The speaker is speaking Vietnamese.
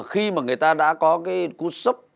khi mà người ta đã có cái cút xúc